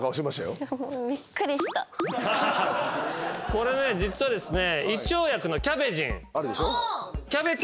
これね実はですね。